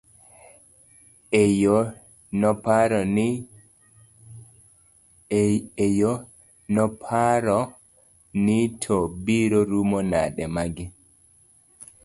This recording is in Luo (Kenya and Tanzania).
e yo noparo ni to biro rumo nade magi